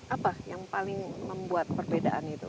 apa yang paling membuat perbedaan itu